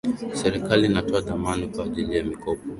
serikali inatoa dhamana kwa ajili ya mikopo